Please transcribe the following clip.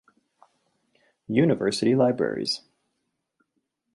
University Libraries.